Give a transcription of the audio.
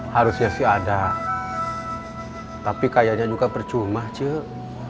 harus ya sih ada tapi kayaknya juga percuma cuk